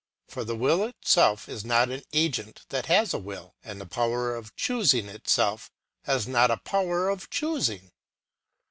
For the will itself is not an agent that has a will ; the power of choosing itself has not a power of choosing.